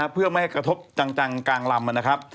เพื่อไม่ให้กระทบจังกลางลำ